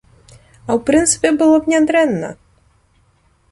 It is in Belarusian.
А ў прынцыпе, было б нядрэнна.